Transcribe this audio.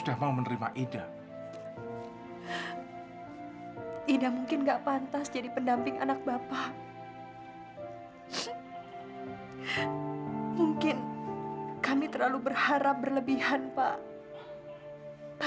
iya tapi kan nggak begini caranya